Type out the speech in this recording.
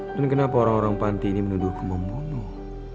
dan kenapa orang orang panti ini menuduhku membunuh